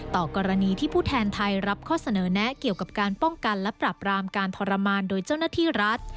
ต่อกรณีที่ผู้แทนไทยรับข้อเสนอแนะเกี่ยวกับการป้องกันและปรับรามการทรมานโดยเจ้าหน้าที่รัฐ